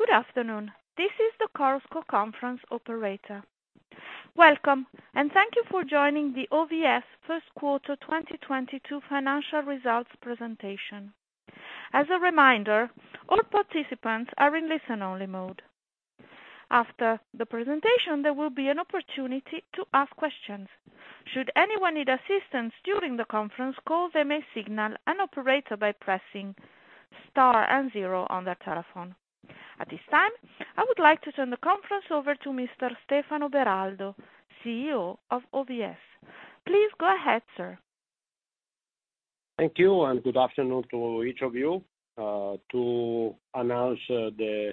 Good afternoon. This is the Chorus Call Conference operator. Welcome, and thank you for joining the OVS first quarter 2022 financial results presentation. As a reminder, all participants are in listen-only mode. After the presentation, there will be an opportunity to ask questions. Should anyone need assistance during the conference call, they may signal an operator by pressing Star and zero on their telephone. At this time, I would like to turn the conference over to Mr. Stefano Beraldo, CEO of OVS. Please go ahead, sir. Thank you, and good afternoon to each of you, to announce the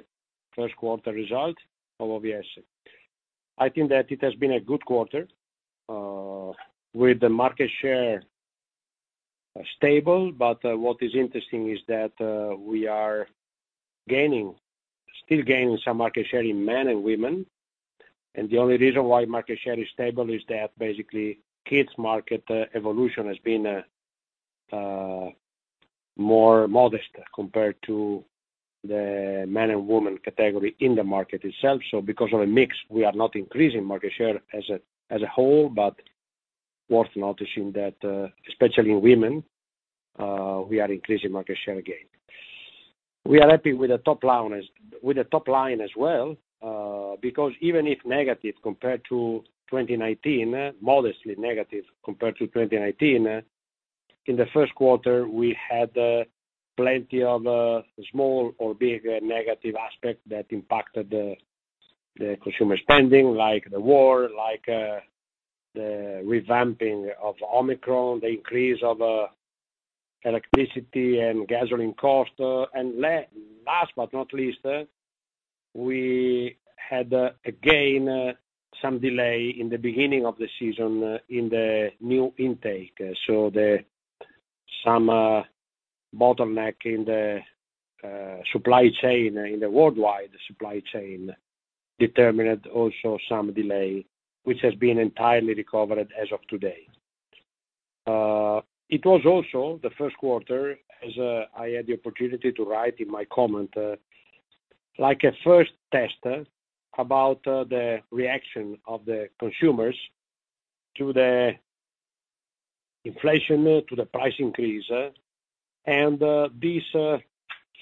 first quarter result of OVS. I think that it has been a good quarter, with the market share stable. What is interesting is that we are still gaining some market share in men and women. The only reason why market share is stable is that basically kids market evolution has been more modest compared to the men and women category in the market itself. Because of the mix, we are not increasing market share as a whole, but worth noticing that especially in women we are increasing market share again. We are happy with the top line as well, because even if negative compared to 2019, modestly negative compared to 2019, in the first quarter, we had plenty of small or big negative aspect that impacted the consumer spending, like the war, like the return of Omicron, the increase of electricity and gasoline cost. Last but not least, we had again some delay in the beginning of the season in the new intake. Some bottleneck in the supply chain, in the worldwide supply chain determined also some delay, which has been entirely recovered as of today. It was also the first quarter, as I had the opportunity to write in my comment, like a first test about the reaction of the consumers to the inflation, to the price increase. This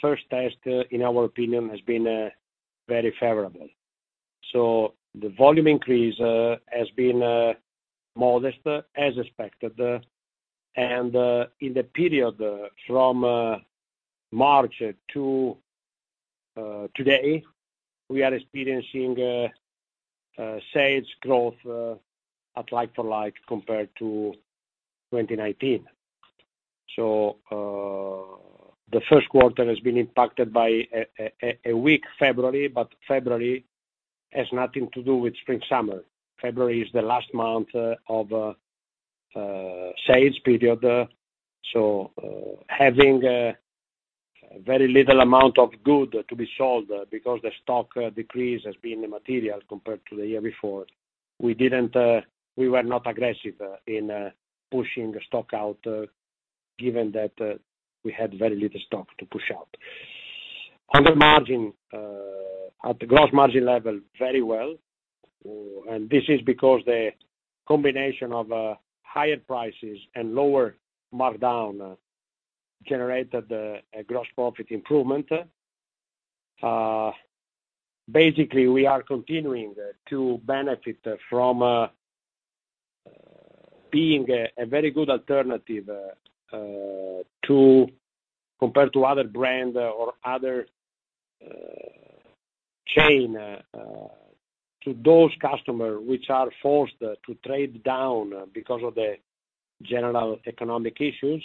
first test, in our opinion, has been very favorable. The volume increase has been modest as expected. In the period from March to today, we are experiencing sales growth at like-for-like compared to 2019. The first quarter has been impacted by a weak February, but February has nothing to do with spring summer. February is the last month of sales period, having very little amount of goods to be sold because the stock decrease has been material compared to the year before. We were not aggressive in pushing stock out, given that we had very little stock to push out. On the margin, at the gross margin level, very well. This is because the combination of higher prices and lower markdown generated a gross profit improvement. Basically, we are continuing to benefit from being a very good alternative compared to other brand or other chain to those customers which are forced to trade down because of the general economic issues.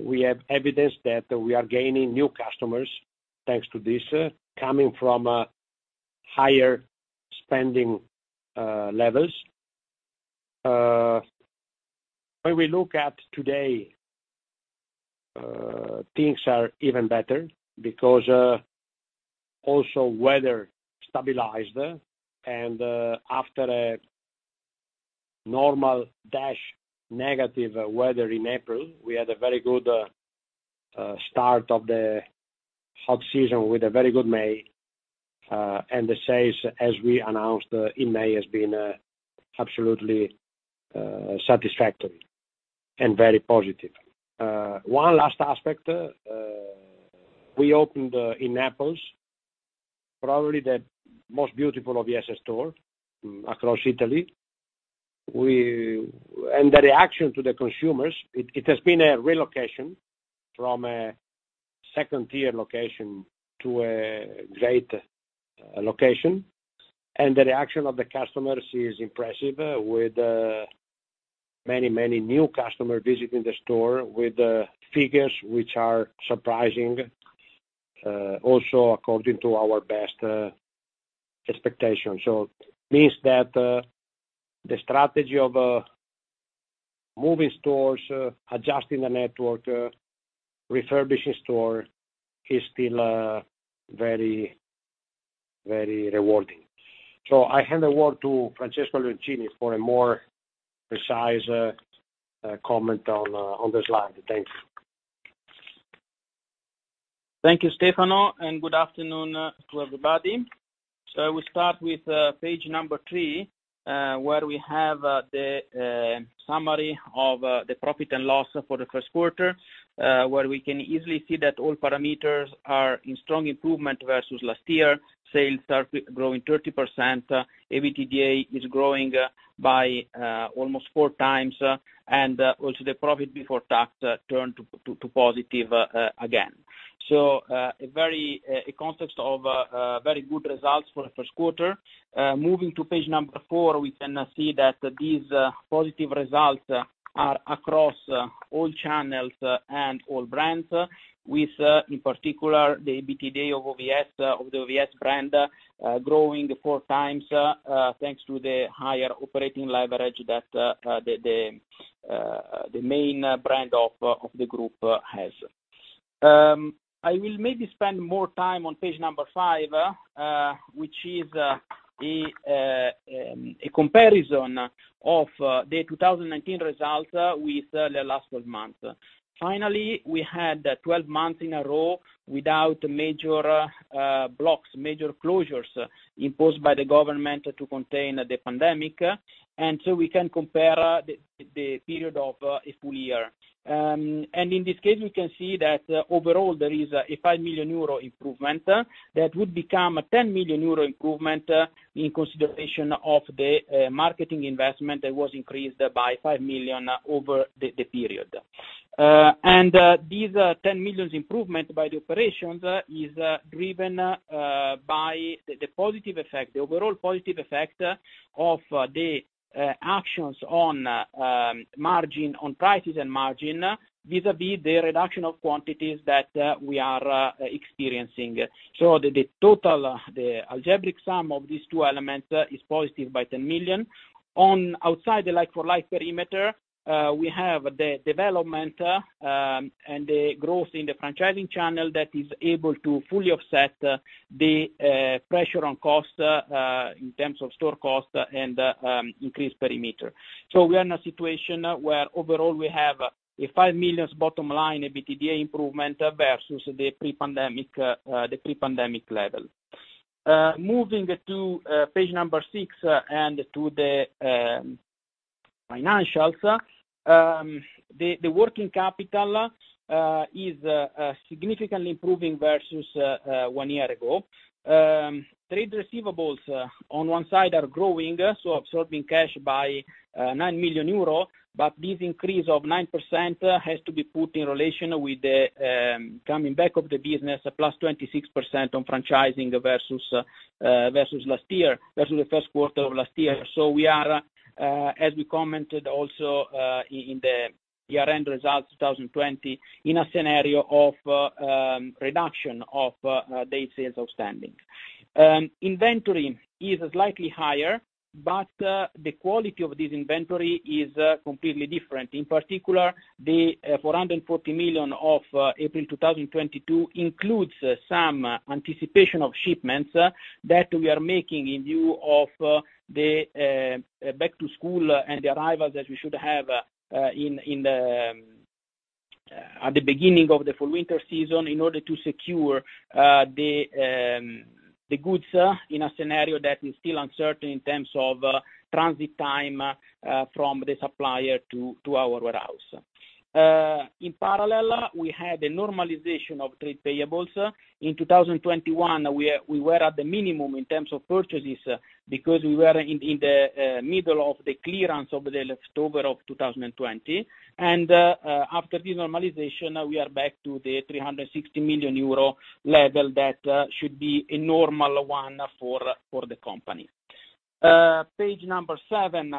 We have evidence that we are gaining new customers, thanks to this, coming from higher spending levels. When we look at today, things are even better because also weather stabilized. After a normal but negative weather in April, we had a very good start of the hot season with a very good May. The sales, as we announced in May, has been absolutely satisfactory and very positive. One last aspect. We opened in Naples, probably the most beautiful OVS store across Italy. The reaction of the consumers has been a relocation from a second-tier location to a great location. The reaction of the customers is impressive with many new customers visiting the store with figures which are surprising also according to our best expectations. This means that the strategy of moving stores, adjusting the network, refurbishing store is still very rewarding. I hand the word to Francesco Leoncini for a more precise comment on the slide. Thanks. Thank you, Stefano, and good afternoon to everybody. We start with page number three, where we have the summary of the profit and loss for the first quarter. We can easily see that all parameters are in strong improvement versus last year. Sales start growing 30%. EBITDA is growing by almost 4x, and also the profit before tax turned to positive again. A concept of very good results for the first quarter. Moving to page number four, we can now see that these positive results are across all channels and all brands. With in particular the EBITDA of OVS of the OVS brand growing 4x thanks to the higher operating leverage that the main brand of the group has. I will maybe spend more time on page number five which is a comparison of the 2019 results with the last 12 months. Finally, we had 12 months in a row without major lockdowns, major closures imposed by the government to contain the pandemic, and so we can compare the period of a full year. In this case, we can see that overall there is a 5 million euro improvement that would become a 10 million euro improvement in consideration of the marketing investment that was increased by 5 million over the period. These 10 million improvement by the operations is driven by the positive effect, the overall positive effect of the actions on margin, on prices and margin, vis-à-vis the reduction of quantities that we are experiencing. The total algebraic sum of these two elements is positive by 10 million. Outside the like-for-like perimeter, we have the development and the growth in the franchising channel that is able to fully offset the pressure on costs in terms of store costs and increased perimeter. We are in a situation where overall we have a 5 million bottom line EBITDA improvement versus the pre-pandemic level. Moving to page six and to the financials. The working capital is significantly improving versus one year ago. Trade receivables on one side are growing, so absorbing cash by 9 million euro, but this increase of 9% has to be put in relation with the coming back of the business, +26% on franchising versus last year, the first quarter of last year. We are, as we commented also, in the year-end results 2020, in a scenario of reduction of day sales outstanding. Inventory is slightly higher, but the quality of this inventory is completely different. In particular, the 440 million of April 2022 includes some anticipation of shipments that we are making in view of the back to school and the arrivals that we should have in at the beginning of the full winter season in order to secure the goods in a scenario that is still uncertain in terms of transit time from the supplier to our warehouse. In parallel, we had a normalization of trade payables. In 2021, we were at the minimum in terms of purchases because we were in the middle of the clearance of the October of 2020. After denormalization, we are back to the 360 million euro level that should be a normal one for the company. Page seven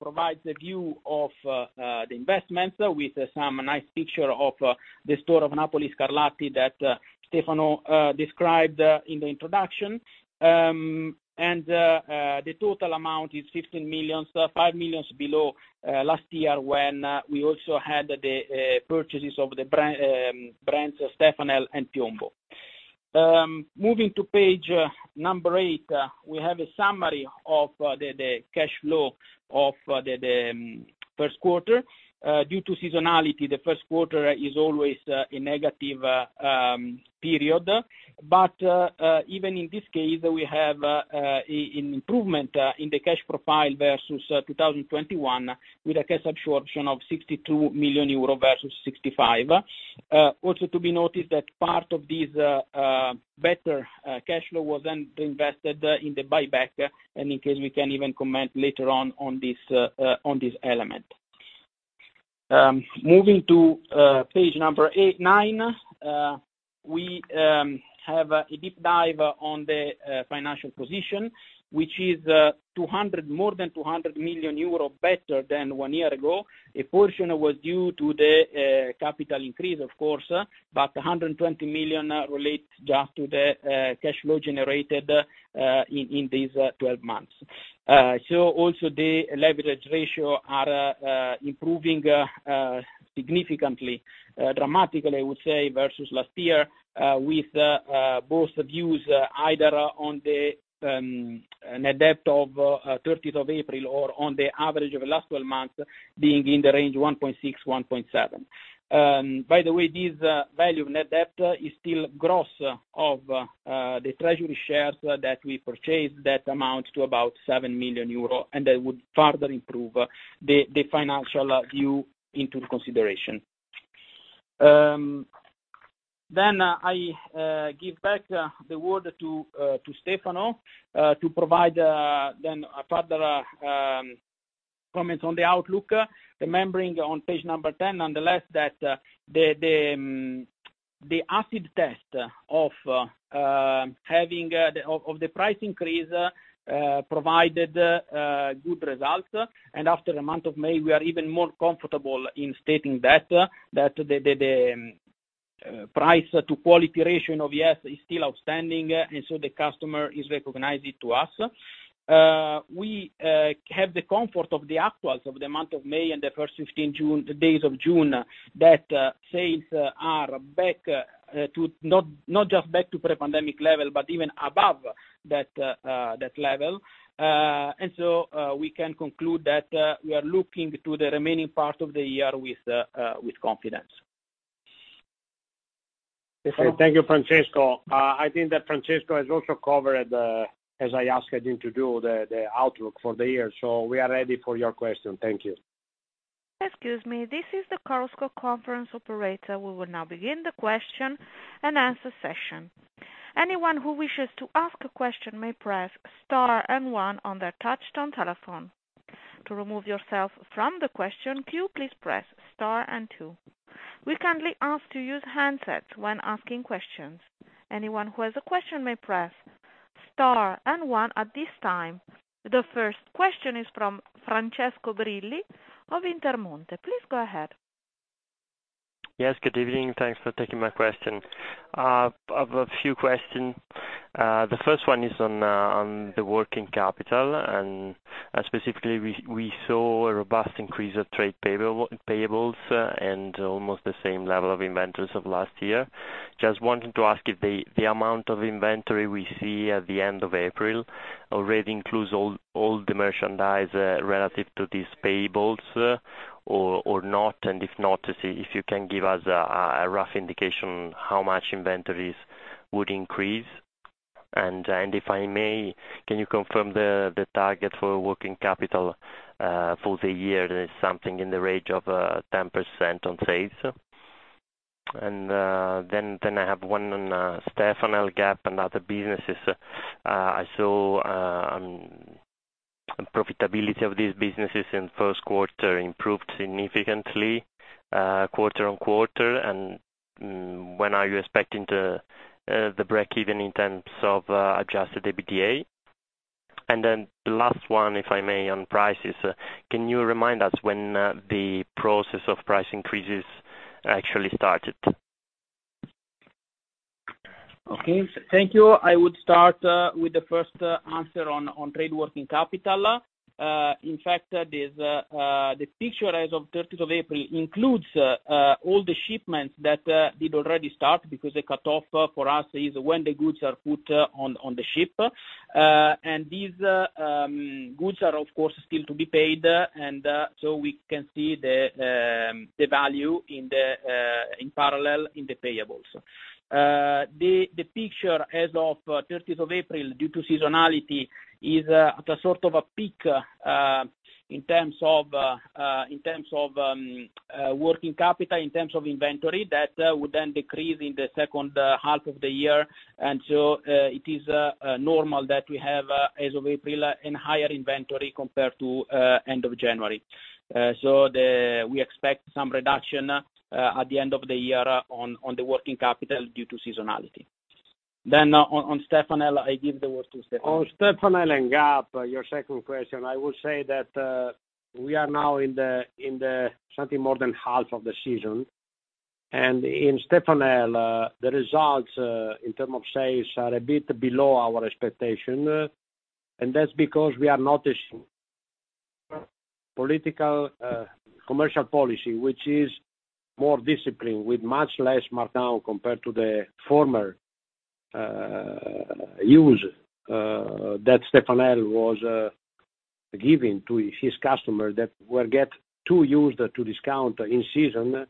provides a view of the investments with some nice picture of the store of Napoli Via Scarlatti that Stefano described in the introduction. The total amount is 15 million, 5 million below last year when we also had the purchases of the brands Stefanel and Piombo. Moving to page eight, we have a summary of the cash flow of the first quarter. Due to seasonality, the first quarter is always a negative period. Even in this case, we have an improvement in the cash profile versus 2021, with a cash absorption of 62 million euro versus 65 million. Also to be noticed that part of this better cash flow was then invested in the buyback, and in case we can even comment later on this element. Moving to page number nine, we have a deep dive on the financial position, which is more than 200 million euro better than one year ago. A portion was due to the capital increase, of course, but 120 million relates just to the cash flow generated in these 12 months. Also the leverage ratio are improving significantly, dramatically, I would say, versus last year, with both views either on the net debt as of 30th of April or on the average of the last 12 months being in the range 1.6-1.7. By the way, this value net debt is still gross of the treasury shares that we purchased that amounts to about 7 million euro, and that would further improve the financial view in consideration. I give back the word to Stefano to provide a further comment on the outlook. Remembering on page number 10, nonetheless, that the acid test of having the price increase provided good results. After the month of May, we are even more comfortable in stating that the price to quality ratio of OVS is still outstanding, and so the customer is recognizing to us. We have the comfort of the actuals of the month of May and the first 15 days of June, that sales are back to not just pre-pandemic level, but even above that level. We can conclude that we are looking to the remaining part of the year with confidence. Thank you, Francesco. I think that Francesco has also covered, as I asked him to do the outlook for the year. We are ready for your question. Thank you. Excuse me. This is the Chorus Call conference operator. We will now begin the question and answer session. Anyone who wishes to ask a question may press star and one on their touchtone telephone. To remove yourself from the question queue, please press star and two. We kindly ask to use handsets when asking questions. Anyone who has a question may press star and one at this time. The first question is from Francesco Brilli of Intermonte. Please go ahead. Yes, good evening. Thanks for taking my question. I've a few questions. The first one is on the working capital, and specifically, we saw a robust increase of trade payables and almost the same level of inventories of last year. Just wanting to ask if the amount of inventory we see at the end of April already includes all the merchandise relative to these payables, or not? And if not, if you can give us a rough indication how much inventories would increase. And if I may, can you confirm the target for working capital for the year? There is something in the range of 10% on sales. I have one on Stefanel, Gap and other businesses. I saw profitability of these businesses in first quarter improved significantly, quarter-on-quarter. When are you expecting the breakeven in terms of adjusted EBITDA? The last one, if I may, on prices, can you remind us when the process of price increases actually started? Okay, thank you. I would start with the first answer on trade working capital. In fact, the picture as of 30th of April includes all the shipments that did already start because the cutoff for us is when the goods are put on the ship. These goods are, of course, still to be paid. We can see the value in parallel in the payables. The picture as of 30th of April, due to seasonality, is at a sort of a peak in terms of working capital in terms of inventory that would then decrease in the second half of the year. It is normal that we have, as of April, a higher inventory compared to end of January. We expect some reduction at the end of the year on the working capital due to seasonality. On Stefanel, I give the word to Stefano. On Stefanel and Gap, your second question, I would say that we are now in somewhat more than half of the season. In Stefanel, the results in terms of sales are a bit below our expectation. That's because we are noticing a more disciplined commercial policy, which is more disciplined with much less markdown compared to the former use that Stefanel was giving to its customers that got too used to discounts in season.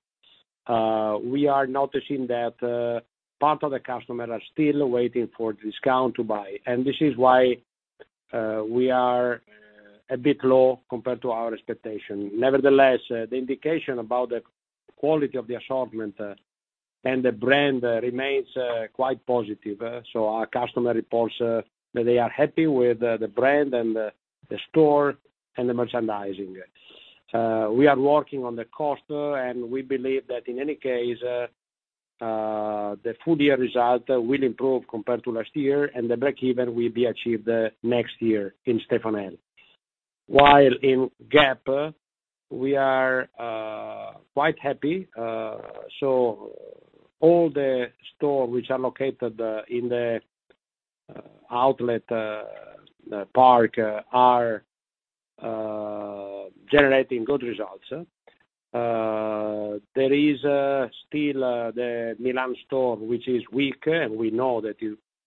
We are noticing that part of the customers are still waiting for discounts to buy, and this is why we are a bit low compared to our expectation. Nevertheless, the indication about the quality of the assortment and the brand remains quite positive. Our customer reports that they are happy with the brand and the store and the merchandising. We are working on the cost, and we believe that in any case, the full year result will improve compared to last year, and the breakeven will be achieved next year in Stefanel. While in Gap, we are quite happy. All the stores which are located in the outlet park are generating good results. There is still the Milan store, which is weak, and we know that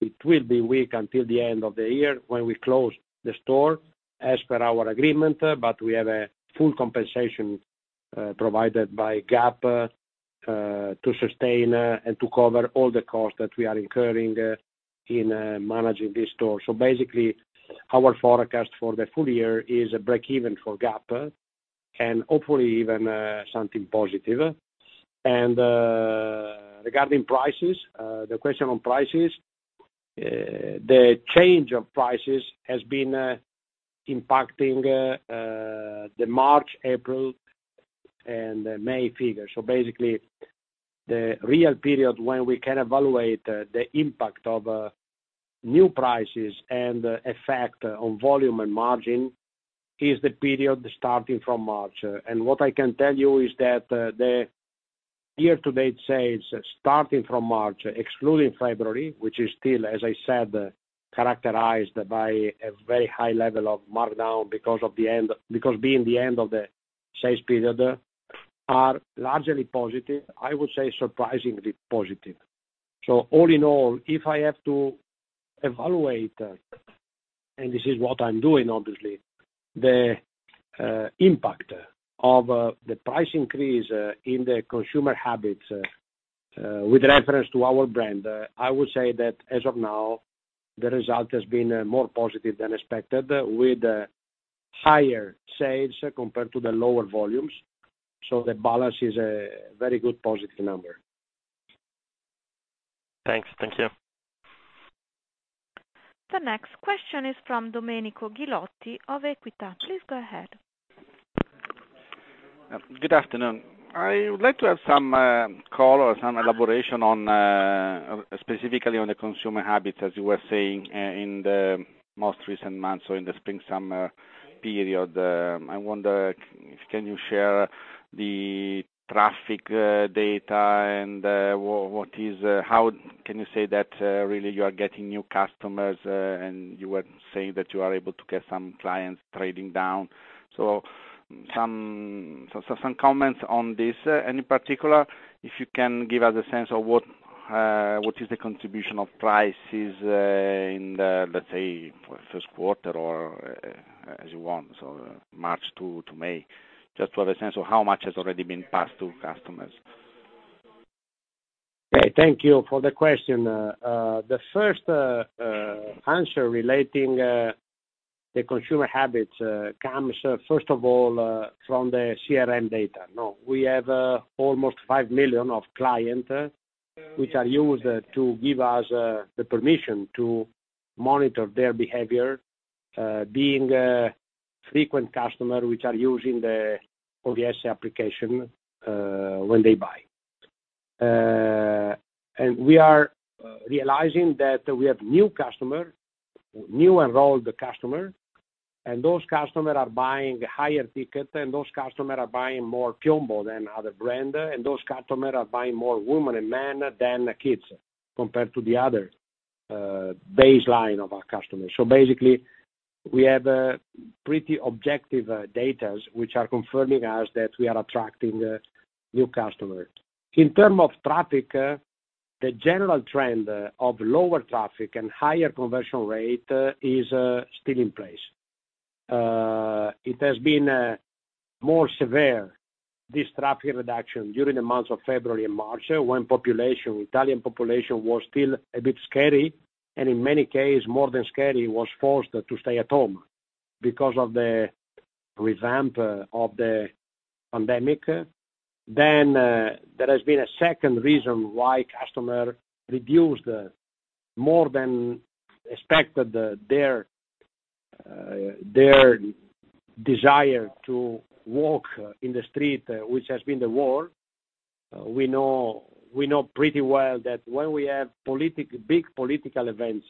it will be weak until the end of the year when we close the store as per our agreement, but we have a full compensation provided by Gap to sustain and to cover all the costs that we are incurring in managing this store. Basically, our forecast for the full year is a breakeven for Gap and hopefully even something positive. Regarding prices, the question on prices, the change of prices has been impacting the March, April, and May figures. Basically, the real period when we can evaluate the impact of new prices and the effect on volume and margin is the period starting from March. What I can tell you is that the year-to-date sales starting from March, excluding February, which is still, as I said, characterized by a very high level of markdown because being the end of the sales period, are largely positive. I would say surprisingly positive. All in all, if I have to evaluate, and this is what I'm doing obviously, the impact of the price increase in the consumer habits with reference to our brand, I would say that as of now, the result has been more positive than expected with higher sales compared to the lower volumes. The balance is a very good positive number. Thanks. Thank you. The next question is from Domenico Ghilotti of Equita. Please go ahead. Good afternoon. I would like to have some call or some elaboration on specifically on the consumer habits, as you were saying in the most recent months or in the spring, summer period. I wonder, can you share the traffic data. How can you say that really you are getting new customers, and you were saying that you are able to get some clients trading down. Some comments on this. In particular, if you can give us a sense of what is the contribution of prices in the, let's say, for first quarter or as you want, so March to May, just to have a sense of how much has already been passed to customers. Thank you for the question. The first answer relating the consumer habits comes first of all from the CRM data. Now, we have almost 5 million of client which are used to give us the permission to monitor their behavior being a frequent customer which are using the OVS application when they buy. We are realizing that we have new customer, new enrolled customer, and those customer are buying higher ticket, and those customer are buying more Piombo than other brand, and those customer are buying more woman and man than kids compared to the other baseline of our customers. Basically, we have pretty objective data which are confirming us that we are attracting new customers. In terms of traffic, the general trend of lower traffic and higher conversion rate is still in place. It has been more severe, this traffic reduction, during the months of February and March, when population, Italian population was still a bit scared, and in many cases, more than scared, was forced to stay at home because of the return of the pandemic. There has been a second reason why customers reduced more than expected their desire to walk in the street, which has been the war. We know pretty well that when we have big political events,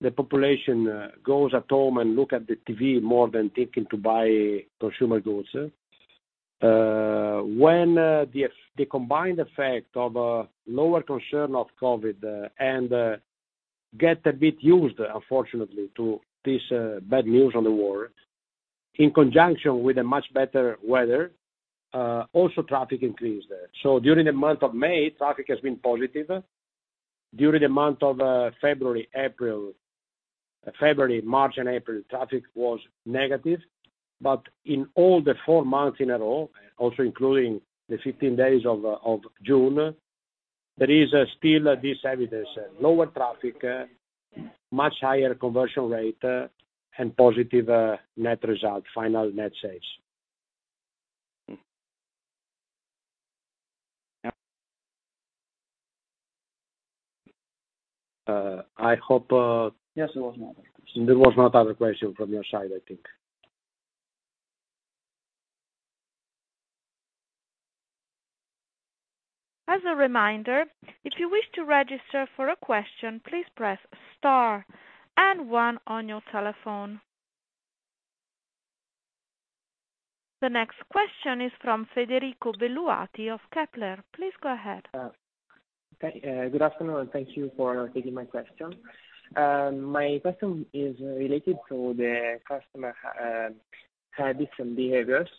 the population goes home and look at the TV more than thinking to buy consumer goods. When the combined effect of lower concern of COVID and get a bit used, unfortunately, to this bad news on the war, in conjunction with much better weather, traffic also increased. During the month of May, traffic has been positive. During the month of February, March, and April, traffic was negative. In all four months in a row, also including the 15 days of June, there is still this evidence: lower traffic, much higher conversion rate, and positive net result, final net sales. I hope. Yes, there was no other question. There was no other question from your side, I think. As a reminder, if you wish to register for a question, please press star and one on your telephone. The next question is from Federico Bolzoni of Kepler Cheuvreux. Please go ahead. Good afternoon, and thank you for taking my question. My question is related to the customer habits and behaviors.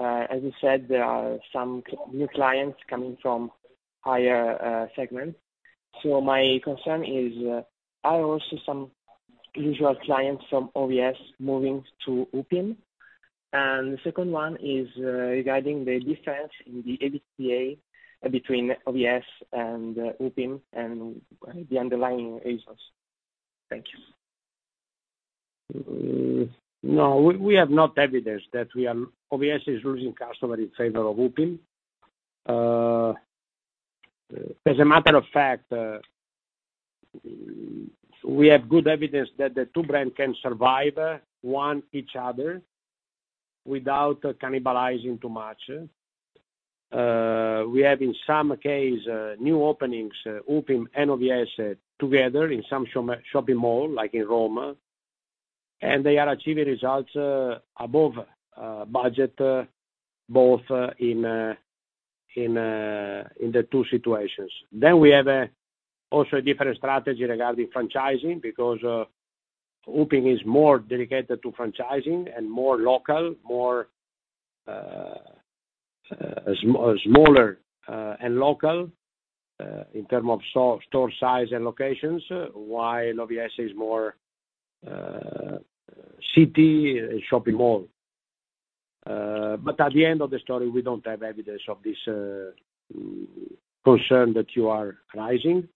As you said, there are some new clients coming from higher segments. My concern is, are also some usual clients from OVS moving to Upim? The second one is, regarding the difference in the EBITDA between OVS and Upim and the underlying reasons. Thank you. No. We have not evidence that OVS is losing customer in favor of Upim. As a matter of fact, we have good evidence that the two brand can survive one each other without cannibalizing too much. We have in some case new openings Upim and OVS together in some shopping mall like in Roma, and they are achieving results above budget both in the two situations. We have also a different strategy regarding franchising because Upim is more dedicated to franchising and more local, more smaller and local in term of store size and locations, while OVS is more city and shopping mall. At the end of the story, we don't have evidence of this concern that you are raising.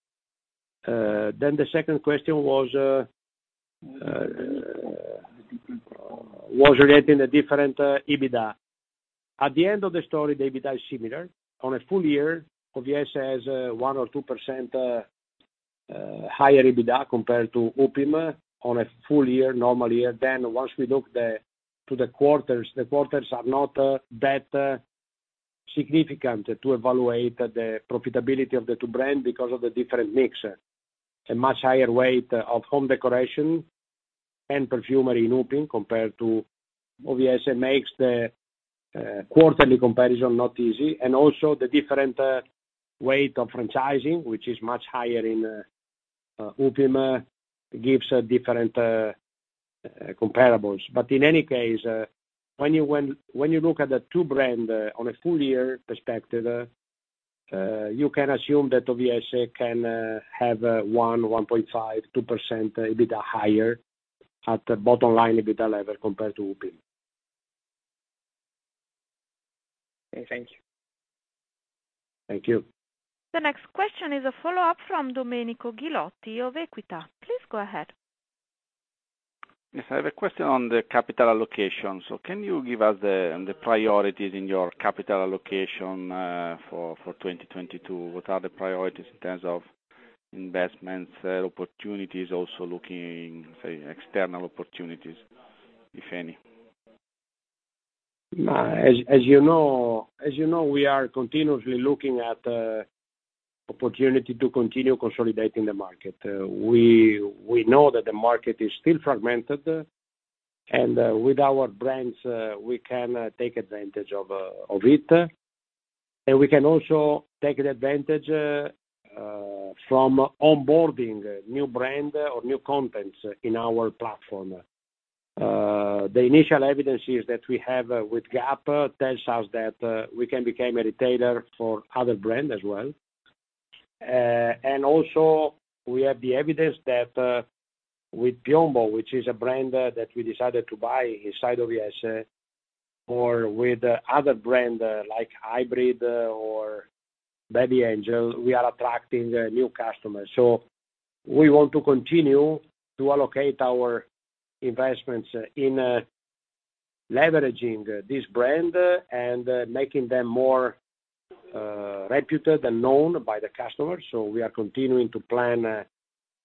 The second question was relating to the different EBITDA. At the end of the story, the EBITDA is similar. On a full year, OVS has 1%-2% higher EBITDA compared to Upim on a full year, normal year. Once we look to the quarters, the quarters are not that significant to evaluate the profitability of the two brands because of the different mix. A much higher weight of home decoration and perfumery in Upim compared to OVS makes the quarterly comparison not easy. Also the different weight of franchising, which is much higher in Upim, gives different comparables. In any case, when you look at the two brands on a full year perspective, you can assume that OVS can have 1.5-2% EBITDA higher at the bottom line EBITDA level compared to Upim. Okay. Thank you. Thank you. The next question is a follow-up from Domenico Ghilotti of Equita. Please go ahead. Yes, I have a question on the capital allocation. Can you give us the priorities in your capital allocation for 2022? What are the priorities in terms of investments, opportunities, also looking, say, external opportunities, if any? As you know, we are continuously looking at opportunity to continue consolidating the market. We know that the market is still fragmented, and with our brands, we can take advantage of it, and we can also take advantage from onboarding new brand or new contents in our platform. The initial evidence is that we have with Gap tells us that we can become a retailer for other brand as well. We have the evidence that with Piombo, which is a brand, that we decided to buy inside OVS or with other brand like Hybrid or B.Angel, we are attracting the new customers. We want to continue to allocate our investments in leveraging this brand and making them more reputed and known by the customers. We are continuing to plan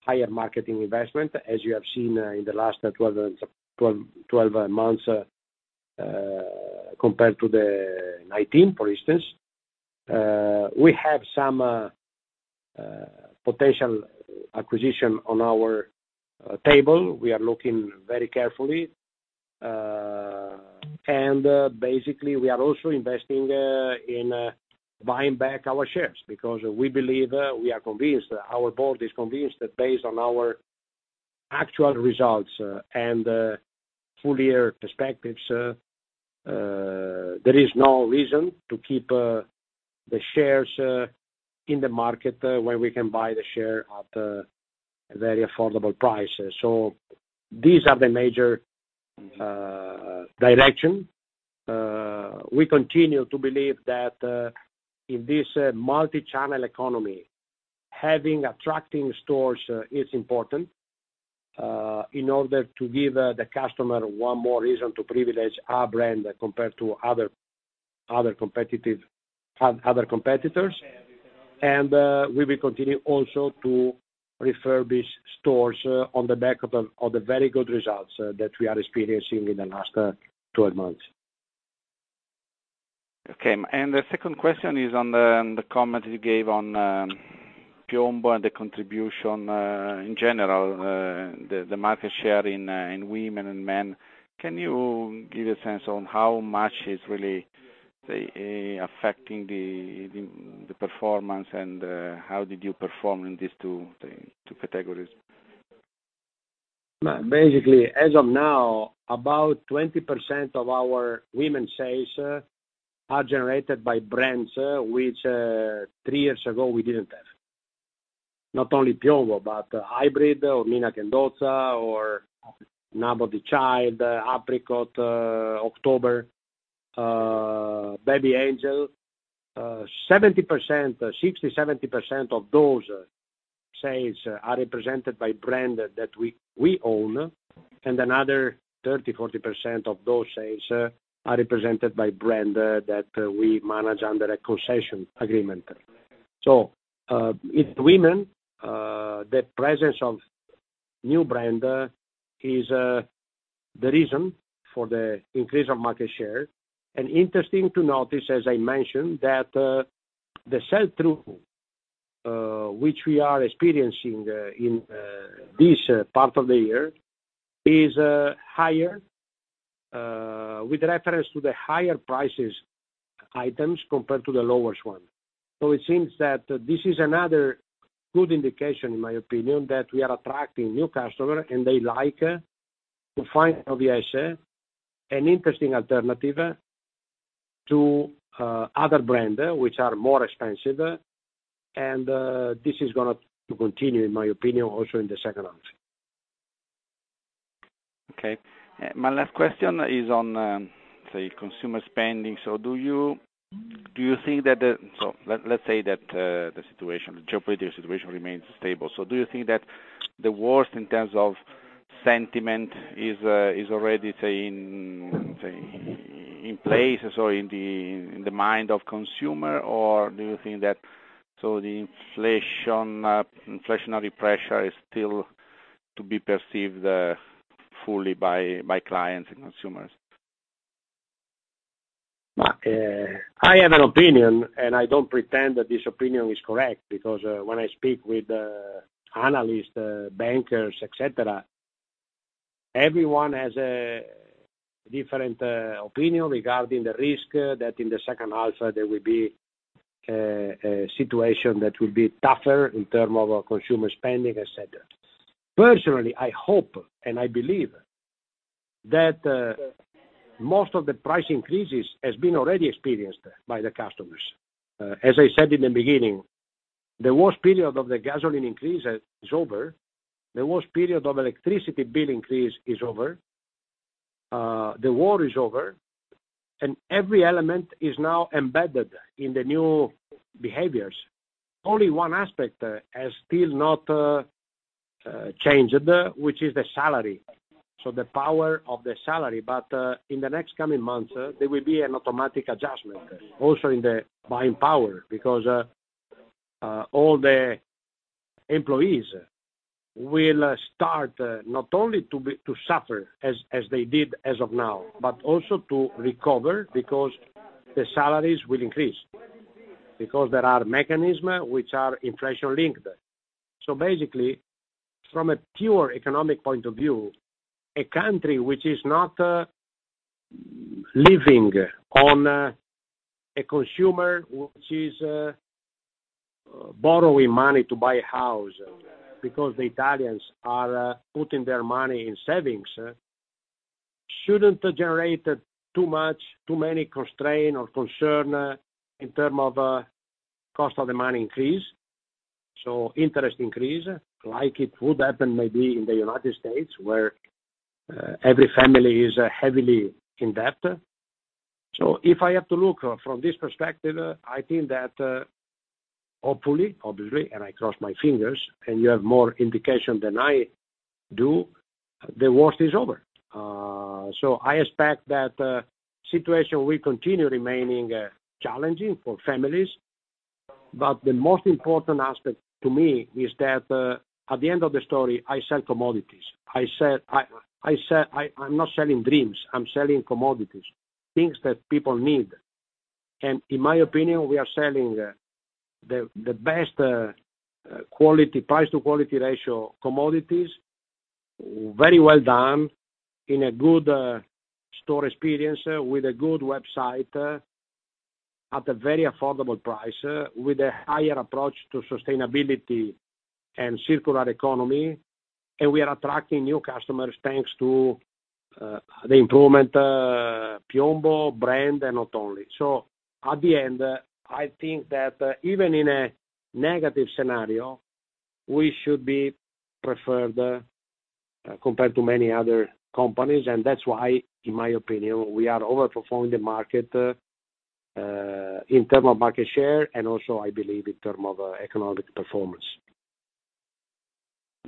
higher marketing investment, as you have seen, in the last 12 months, compared to the nineteen, for instance. We have some potential acquisition on our table. We are looking very carefully. Basically, we are also investing in buying back our shares because we believe we are convinced, our board is convinced that based on our actual results and full year perspectives, there is no reason to keep the shares in the market when we can buy the share at a very affordable price. These are the major direction. We continue to believe that in this multichannel economy, having attractive stores is important in order to give the customer one more reason to privilege our brand compared to other competitors. We will continue also to refurbish stores on the back of the very good results that we are experiencing in the last 12 months. Okay. The second question is on the comment you gave on Piombo and the contribution in general, the market share in women and men. Can you give a sense on how much is really, say, affecting the performance and how did you perform in these two things, two categories? Basically, as of now, about 20% of our women sales are generated by brands which, three years ago we didn't have. Not only Piombo, but Hybrid or Mina Candosa or Nobody's Child, Apricot, October, B.Angel. 60%-70% of those sales are represented by brand that we own, and another 30%-40% of those sales are represented by brand that we manage under a concession agreement. In women, the presence of new brand is the reason for the increase of market share. Interesting to notice, as I mentioned, that the sell-through, which we are experiencing, in this part of the year is higher, with reference to the higher prices items compared to the lowest one. It seems that this is another good indication, in my opinion, that we are attracting new customers and they like to find OVS an interesting alternative to other brands which are more expensive, and this is gonna continue, in my opinion, also in the second half. Okay. My last question is on, say, consumer spending. Let's say that the geopolitical situation remains stable. Do you think that the worst in terms of sentiment is already, say, in place or in the mind of consumer? Or do you think that the inflationary pressure is still to be perceived fully by clients and consumers? I have an opinion, and I don't pretend that this opinion is correct, because when I speak with analysts, bankers, et cetera, everyone has a different opinion regarding the risk that in the second half there will be a situation that will be tougher in terms of consumer spending, et cetera. Personally, I hope and I believe that most of the price increases has been already experienced by the customers. As I said in the beginning, the worst period of the gasoline increase is over. The worst period of electricity bill increase is over. The war is over, and every element is now embedded in the new behaviors. Only one aspect has still not changed, which is the salary, so the power of the salary. In the next coming months, there will be an automatic adjustment also in the purchasing power, because all the employees will start not only to suffer as they did as of now, but also to recover because the salaries will increase, because there are mechanisms which are inflation linked. Basically, from a pure economic point of view, a country which is not relying on a consumer which is borrowing money to buy a house, because the Italians are putting their money in savings, should not have generated too many constraints or concerns in terms of cost of money increase. Interest increase, like it would happen maybe in the United States, where every family is heavily in debt. If I have to look from this perspective, I think that, hopefully, obviously, and I cross my fingers, and you have more indication than I do, the worst is over. I expect that situation will continue remaining challenging for families. But the most important aspect to me is that, at the end of the story, I sell commodities. I'm not selling dreams, I'm selling commodities, things that people need. In my opinion, we are selling the best quality price to quality ratio commodities, very well done, in a good store experience, with a good website, at a very affordable price, with a higher approach to sustainability and circular economy. We are attracting new customers, thanks to the improvement Piombo brand and not only. I think that, even in a negative scenario, we should be preferred, compared to many other companies, and that's why, in my opinion, we are overperforming the market, in terms of market share, and also, I believe in terms of, economic performance.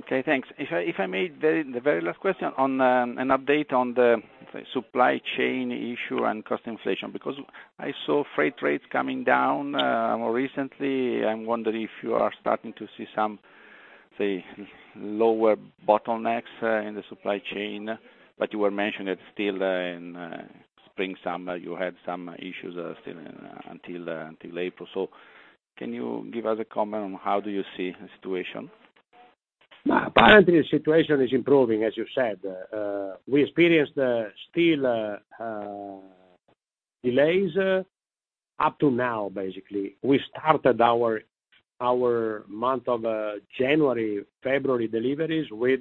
Okay, thanks. If I may, the very last question on an update on the supply chain issue and cost inflation, because I saw freight rates coming down more recently. I'm wondering if you are starting to see some, say, lower bottlenecks in the supply chain. You were mentioning it still in spring, summer. You had some issues still until April. Can you give us a comment on how do you see the situation? No, apparently, the situation is improving, as you said. We experienced still delays up to now, basically. We started our month of January, February deliveries with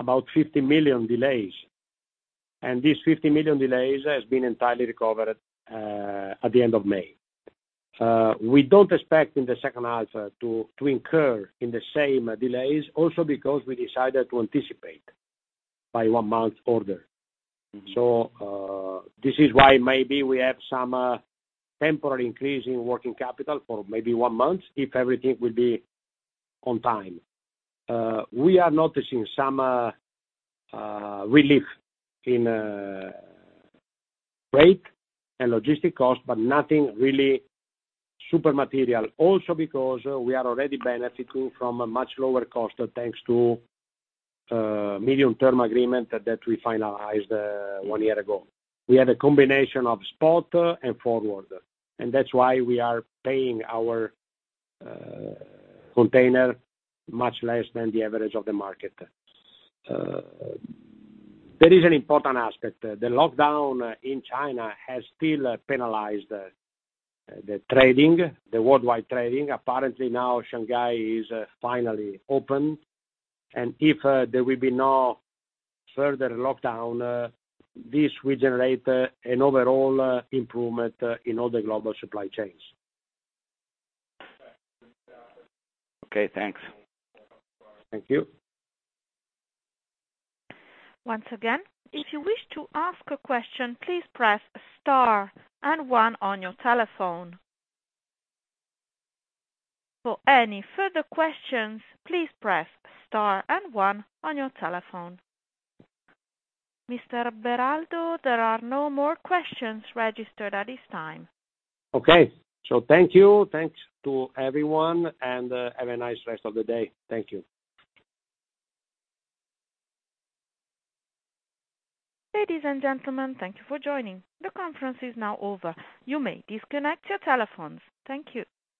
about 50 million delays. These 50 million delays has been entirely recovered at the end of May. We don't expect in the second half to incur in the same delays also because we decided to anticipate by one month order. Mm-hmm. This is why maybe we have some temporary increase in working capital for maybe one month if everything will be on time. We are noticing some relief in freight and logistics costs, but nothing really super material. Also because we are already benefiting from a much lower cost, thanks to medium-term agreement that we finalized one year ago. We have a combination of spot and forward, and that's why we are paying our container much less than the average of the market. There is an important aspect. The lockdown in China has still penalized the worldwide trade. Apparently, now Shanghai is finally open. If there will be no further lockdown, this will generate an overall improvement in all the global supply chains. Okay, thanks. Thank you. Once again, if you wish to ask a question, please press star and one on your telephone. For any further questions, please press star and one on your telephone. Mr. Beraldo, there are no more questions registered at this time. Okay. Thank you. Thanks to everyone, and have a nice rest of the day. Thank you. Ladies and gentlemen, thank you for joining. The conference is now over. You may disconnect your telephones. Thank you.